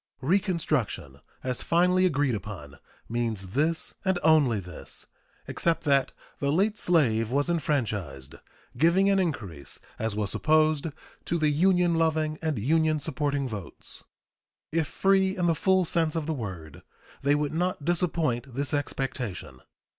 Reconstruction, as finally agreed upon, means this and only this, except that the late slave was enfranchised, giving an increase, as was supposed, to the Union loving and Union supporting votes. If free in the full sense of the word, they would not disappoint this expectation.